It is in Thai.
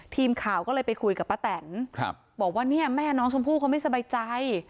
ทีมข่าวก็เลยไปคุยกับป้าแตนบอกว่าเนี่ยแม่น้องชมพู่เขาไม่สบายใจ